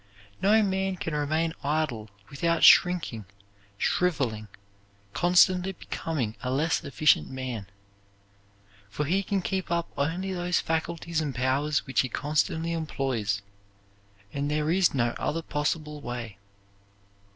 No man can remain idle without shrinking, shrivelling, constantly becoming a less efficient man; for he can keep up only those faculties and powers which he constantly employs, and there is no other possible way.